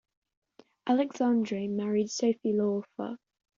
Alexandre married Sophie Lafleur.